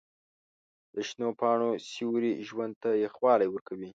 د شنو پاڼو سیوري ژوند ته یخوالی ورکوي.